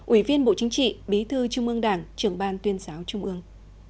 ủy viên bộ chính trị bí thư trung ương đảng trưởng ban tuyên giáo trung ương